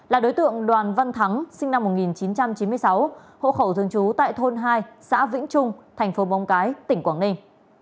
là đối tượng đoàn văn thắng sinh năm một nghìn chín trăm chín mươi sáu hộ khẩu thương chú tại thôn hai xã vĩnh trung tp mông cái tỉnh quảng ninh